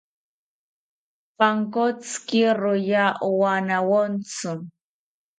Pankotziki roya owanawontzi